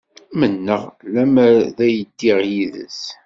Mennaɣ lemmer d ay ddiɣ yid-s.